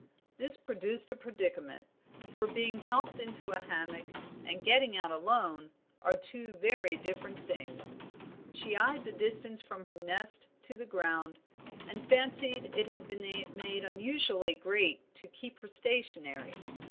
This produced a predicament, for being helped into a hammock and getting out alone are two very different things. She eyed the distance from her nest to the ground, and fancied it had been made unusually great to keep her stationary.